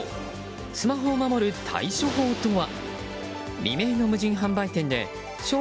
スマホを守る対処法とは。